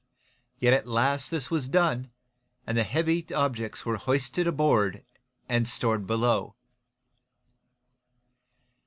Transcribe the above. Yet at last this was done, and the heavy objects were hoisted aboard and stored below.